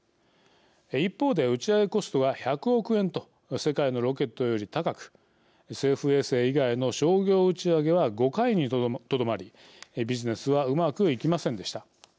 一方で、打ち上げコストが１００億円と世界のロケットより高く政府衛星以外の商業打ち上げは５回にとどまりビジネスはうまくいきませんでした。